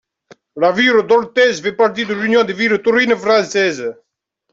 La ville d'Orthez fait partie de l'Union des villes taurines françaises.